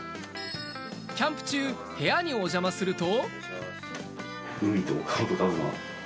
キャンプ中、部屋にお邪魔すると。